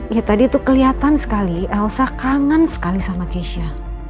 ya tadi tuh kelihatan sekali elsa kangen sekali sama ghesia